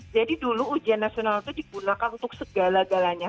jadi dulu ujian nasional itu digunakan untuk segala galanya